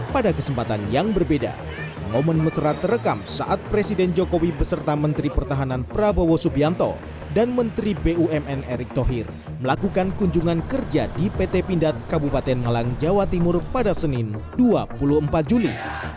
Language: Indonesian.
pada kesempatan yang berbeda momen mesra terekam saat presiden jokowi beserta menteri pertahanan prabowo subianto dan menteri bumn erick thohir melakukan kunjungan kerja di pt pindad kabupaten malang jawa timur pada senin dua puluh empat juli